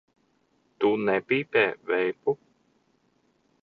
Tu nepīpē veipu?